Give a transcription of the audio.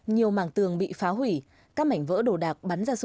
nhiều màng tường bị phá hủy các mảnh vỡ đổ đạc